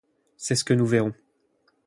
C'est ce que nous verrons.